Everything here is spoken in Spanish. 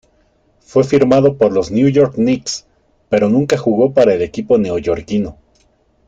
Fue firmado por los New York Knicks, pero nunca jugó para el equipo neoyorquino.